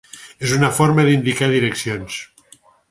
És una forma d'indicar direccions.